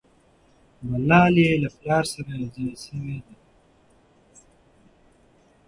ملالۍ له پلاره سره یو ځای سوې ده.